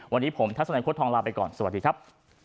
วันนี้ผมทัศนัยโค้ทองลาไปก่อนสวัสดีครับ